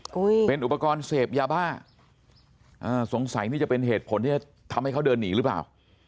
เป็นอุปกรณ์เสพยาบ้าอ่าสงสัยนี่จะเป็นเหตุผลที่จะทำให้เขาเดินหนีหรือเปล่า